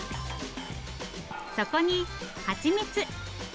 そこにはちみつ。